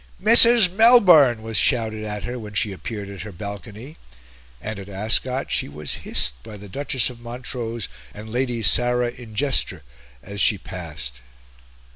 "Mrs. Melbourne," was shouted at her when she appeared at her balcony; and, at Ascot, she was hissed by the Duchess of Montrose and Lady Sarah Ingestre as she passed.